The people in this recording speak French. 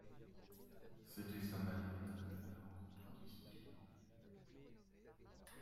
C'était sa manière d'aller à la rencontre des idées.